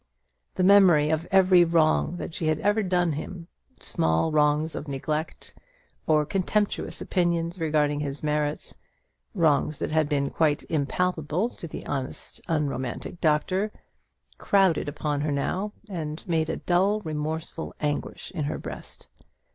The memory of every wrong that she had ever done him small wrongs of neglect, or contemptuous opinions regarding his merits wrongs that had been quite impalpable to the honest unromantic doctor, crowded upon her now, and made a dull remorseful anguish in her breast.